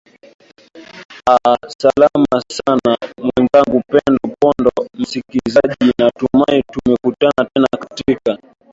aa salama sana mwenzangu pendo pondo msikilizaji natumai tumekutana tena katika